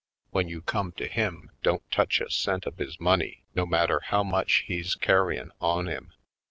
W'en you come to him, don't touch a cent of his money no matter how much he's car ryin' on him.